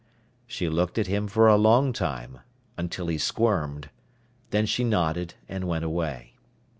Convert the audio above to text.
She looked at him for a long time, until he squirmed. Then she nodded and went away.